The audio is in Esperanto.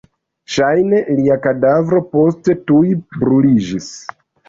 Ŝajne lia kadavro poste tuj bruliĝis.